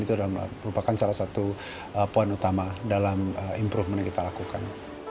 itu adalah merupakan salah satu poin utama dalam improvement yang kita lakukan